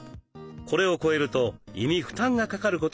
これを超えると胃に負担がかかることがあります。